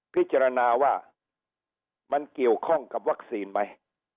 พิจารณาว่ามันเกี่ยวข้องกับวัคซีนไหม